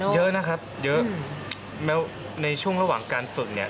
เยอะนะครับเยอะแม้ในช่วงระหว่างการฝึกเนี่ย